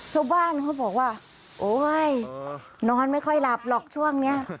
เขาบอกว่าโอ๊ยนอนไม่ค่อยหลับหรอกช่วงนี้